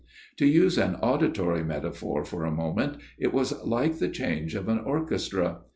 To use an auditory metaphor for a moment it was like the change of an orchestra.